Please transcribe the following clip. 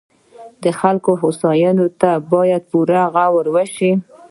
د خلکو هوساینې ته باید پوره غور وشي.